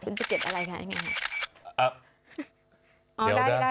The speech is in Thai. คุณจะเก็บอะไรคะ